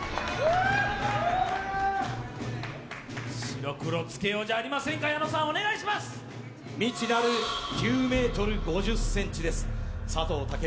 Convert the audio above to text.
白黒つけようじゃありませんか矢野さんお願いします佐藤健